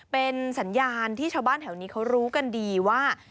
เป็นสัญญาณที่ชาวบ้านแถวนี้เขารู้กันดีว่า